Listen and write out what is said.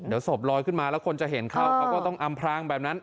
เดี๋ยวศพลอยขึ้นมาแล้วคนจะเห็นเข้าเขาก็ต้องอำพรางแบบนั้น